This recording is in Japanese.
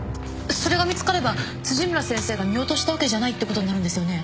それが見つかれば辻村先生が見落としたわけじゃないってことになるんですよね？